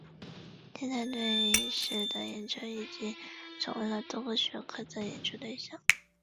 现代对意识的研究已经成为了多个学科的研究对象。